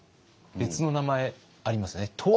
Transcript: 別の名前ありますよね。